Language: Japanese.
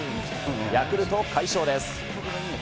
ヤクルト、快勝です。